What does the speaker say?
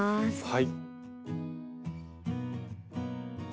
はい。